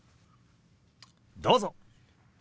どうぞ。